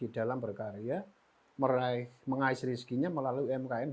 dan menjaga kemampuan